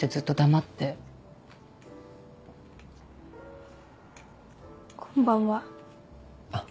あっこんばんは。